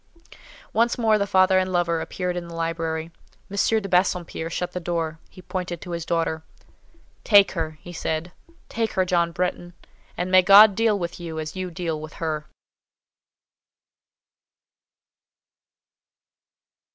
Once more the father and lover appeared in the library. M. de Bassompierre shut the door; he pointed to his daughter. "Take her," he said. "Take her, John Bretton: and may God deal with you as you deal with her!"